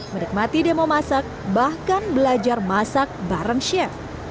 menikmati demo masak bahkan belajar masak bareng chef